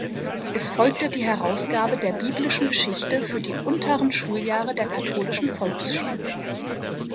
Es folgte die Herausgabe der "Biblischen Geschichte" für die unteren Schuljahre der Katholischen Volksschule.